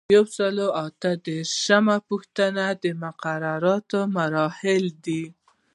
یو سل او اته دیرشمه پوښتنه د مقررې مرحلې دي.